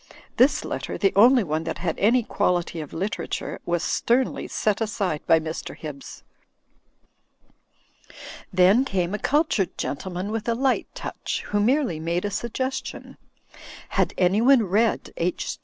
This letter (the only one that had any quality of literature) was sternly set aside by Mr. Hibbs. Then came a cultured gentleman with a light touch, who merely made a suggestion. Had anyone read H.